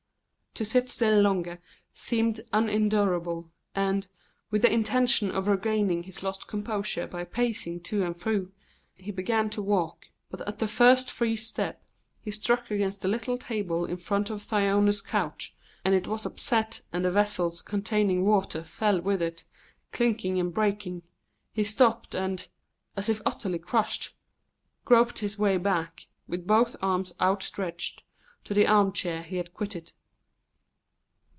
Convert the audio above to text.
To sit still longer seemed unendurable, and, with the intention of regaining his lost composure by pacing to and fro, he began to walk; but at the first free step he struck against the little table in front of Thyone's couch, and as it upset and the vessels containing water fell with it, clinking and breaking, he stopped and, as if utterly crushed, groped his way back, with both arms outstretched, to the armchair he had quitted.